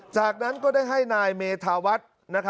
จากนั้นก็ได้ให้นายเมธาวัฒน์